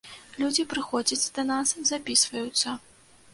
Людзі прыходзяць да нас, запісваюцца.